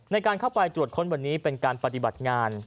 ในการเข้าไปตรวจค้นวันนี้เป็นการปฏิบัติงาน